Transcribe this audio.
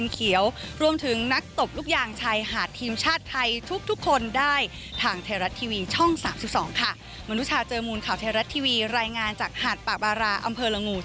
ก็ขอบคุณมากครับ